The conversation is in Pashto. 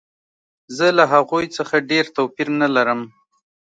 زه له هغوی څخه ډېر توپیر نه لرم